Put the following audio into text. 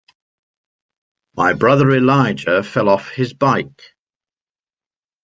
My brother Elijah fell off his bike.